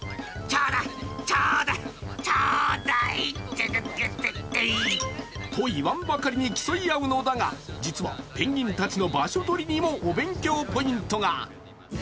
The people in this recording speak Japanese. ちょうだい、ちょうだい、ちょうだいって！といわんばかりに競い合うのだが実はペンギンたちの場所取りにもお勉強ポイントが。